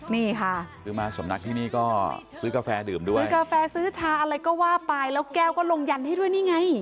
นี่ค่ะซื้อกาแฟซื้อชาอะไรก็ว่าไปแล้วแก้วก็ลงยันให้ด้วยนี่ไง